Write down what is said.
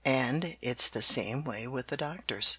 "And it's the same way with the doctors.